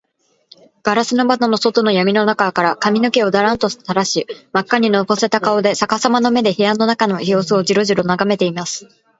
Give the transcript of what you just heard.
ガラス窓の外のやみの中から、髪かみの毛をダランと下にたらし、まっかにのぼせた顔で、さかさまの目で、部屋の中のようすをジロジロとながめています。